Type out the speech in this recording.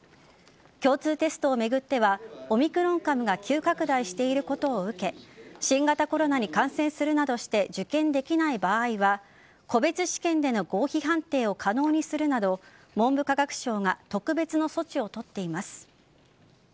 共通テストを巡ってはオミクロン株が急拡大していることを受け新型コロナに感染するなどして受験できない場合は個別試験での合否判定を可能にするなど文部科学省が特別の措置を取っています。